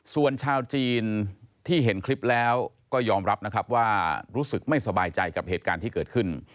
ส่วนชาวจีนที่เห็นคลิปแล้วก็ยอมรับนะครับว่ารู้สึกไม่สบายใจกับเหตุการณ์ที่เกิดขึ้น